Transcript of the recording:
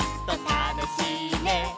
「たのしいね」